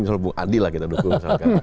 misalnya bung adi lah kita dukung